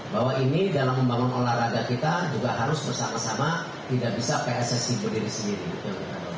bahwa ini dalam pembangun olahraga kita juga harus bersama sama tidak bisa pssi berdiri sendiri